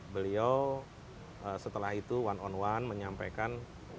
beliau setelah itu one on one menyampaikan